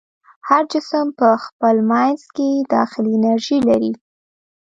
هر جسم په خپل منځ کې داخلي انرژي لري.